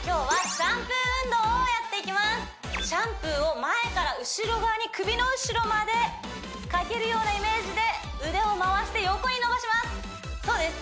シャンプーを前から後ろ側に首の後ろまでかけるようなイメージで腕を回して横に伸ばしますそうです